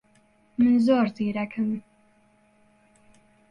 من زۆر زیرەکم.